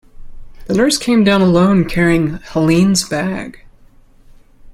The nurse came down alone carrying Helene's bag.